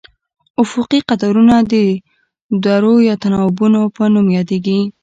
افقي قطارونه د دورو یا تناوبونو په نوم یادیږي.